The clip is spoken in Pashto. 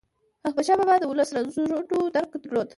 احمدشاه بابا د ولس د رنځونو درک درلود.